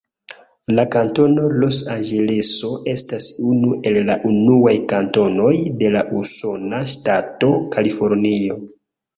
La kantono Los-Anĝeleso estas unu el la unuaj kantonoj de la usona ŝtato Kalifornio.